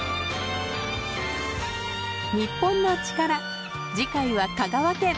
『日本のチカラ』次回は香川県。